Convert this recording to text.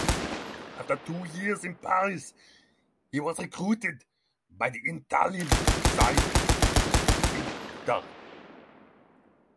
After two years in Paris he was recruited by the Italian side Inter.